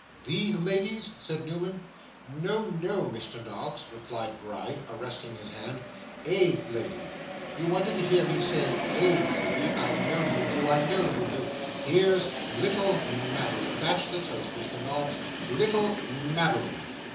'THE ladies?' said Newman. 'No, no, Mr. Noggs,' replied Gride, arresting his hand, 'A lady. You wonder to hear me say A lady. I know you do, I know you do. Here's little Madeline. That's the toast. Mr. Noggs. Little Madeline!